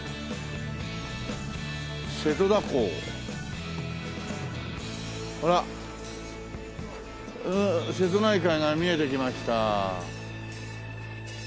「瀬戸田港」ほら瀬戸内海が見えてきました。